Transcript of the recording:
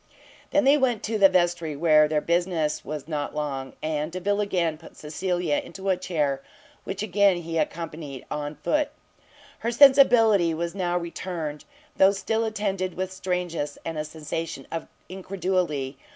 They then went to the vestry, where their business was not long; and Delvile again put Cecilia into a chair, which again he accompanied on foot. Her sensibility now soon returned, though still attended with strangeness and a sensation of incredulity.